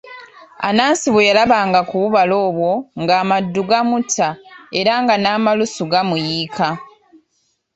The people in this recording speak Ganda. Anansi bwe yalabanga ku bubala obwo ng'amaddu gamutta era nga n'amalusu gamuyiika.